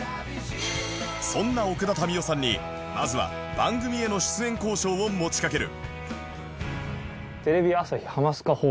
そんな奥田民生さんにまずは番組への出演交渉を持ちかける